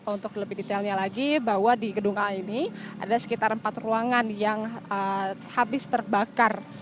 untuk lebih detailnya lagi bahwa di gedung a ini ada sekitar empat ruangan yang habis terbakar